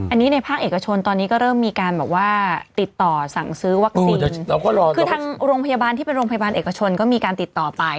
อันนี้ในภาคเอกชนตอนนี้ก็เริ่มมีการแบบว่าติดต่อสั่งซื้อวัคซีนคือทางโรงพยาบาลที่เป็นโรงพยาบาลเอกชนก็มีการติดต่อไป